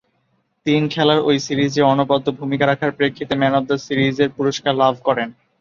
তিন খেলার ঐ সিরিজে অনবদ্য ভূমিকা রাখার প্রেক্ষিতে ম্যান অব দ্য সিরিজের পুরস্কার লাভ করেন।